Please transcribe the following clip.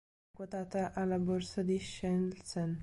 È quotata alla Borsa di Shenzhen.